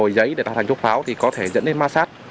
nếu nhồi giấy để tạo thành thuốc pháo thì có thể dẫn đến ma sát